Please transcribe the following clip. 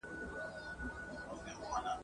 نیلی مړ سو دښمن مات سو تښتېدلی !.